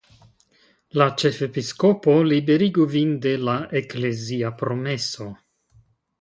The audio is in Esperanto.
La ĉefepiskopo liberigu vin de la eklezia promeso.